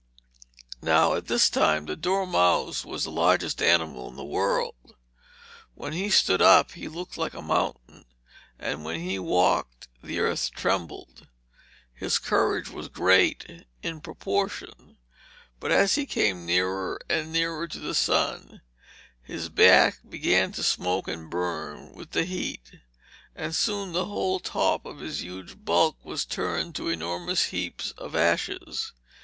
Now at this time the dormouse was the largest animal in the world. When he stood up he looked like a mountain, and when he walked the earth trembled. His courage was great in proportion, but as he came nearer and nearer to the sun his back began to smoke and burn with the heat, and soon the whole top of his huge bulk was turned to enormous heaps of ashes.